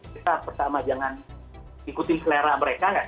kita pertama jangan ikutin selera mereka